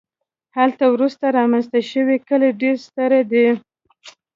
هلته وروسته رامنځته شوي کلي ډېر ستر دي